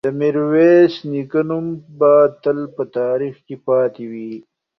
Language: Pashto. د میرویس نیکه نوم به تل په تاریخ کې پاتې وي.